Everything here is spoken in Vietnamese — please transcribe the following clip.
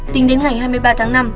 tính đến ngày hai mươi ba tháng năm